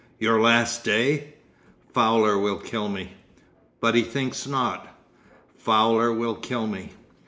'Your last day!' 'Fowler will kill me.' 'But he thinks not.' 'Fowler will kill me.